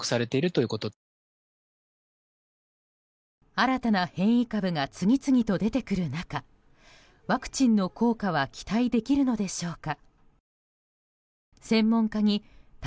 新たな変異株が次々と出てくる中ワクチンの効果は期待できるのでしょうか。